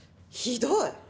ひどい。